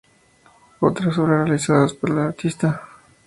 Otras obras realizadas por el artista.